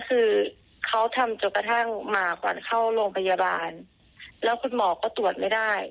คือเขาทำจนกระทั่งมาก่อนเข้าโรงพยาบาลแล้วคุณหมอก็ตรวจไม่ได้